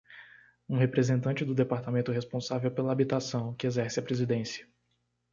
Um representante do departamento responsável pela habitação, que exerce a presidência.